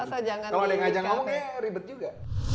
kalau ada yang ngajak ngomong ya ribet juga